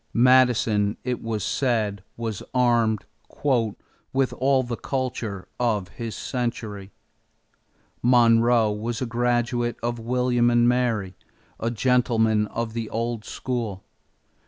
Madison, it was said, was armed "with all the culture of his century." Monroe was a graduate of William and Mary, a gentleman of the old school.